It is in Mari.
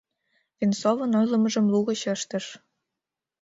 — Венцовын ойлымыжым лугыч ыштыш.